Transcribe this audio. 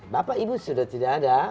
bapak ibu sudah tidak ada